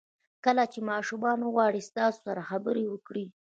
کله چې ماشومان وغواړي تاسو سره خبرې وکړي.